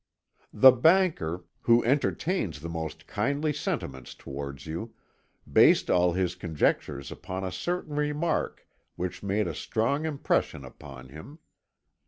"The banker, who entertains the most kindly sentiments towards you, based all his conjectures upon a certain remark which made a strong impression upon him.